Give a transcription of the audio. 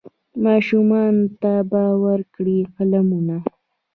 ماشومانو ته به ورکړي قلمونه